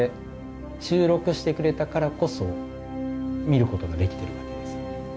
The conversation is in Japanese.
してくれたからこそ見ることができてるわけです。